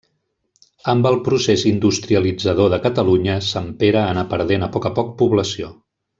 Amb el procés industrialitzador de Catalunya, Sant Pere anà perdent a poc a poc població.